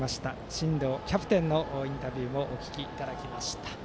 真藤キャプテンのインタビューをお聞きいたしました。